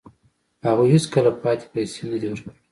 او هغوی هیڅکله پاتې پیسې نه دي ورکړي